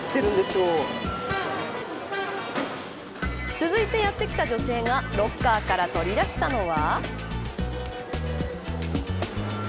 続いてやってきた女性がロッカーから取り出したのは。